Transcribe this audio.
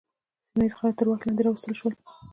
سیمه ییز خلک تر واک لاندې راوستل شول.